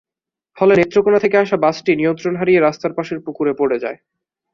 ফলে নেত্রকোনা থেকে আসা বাসটি নিয়ন্ত্রণ হারিয়ে রাস্তার পাশের পুকুরে পড়ে যায়।